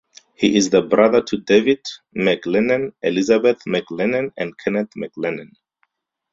He is the brother to David MacLennan, Elizabeth MacLennan, and Kenneth MacLennan.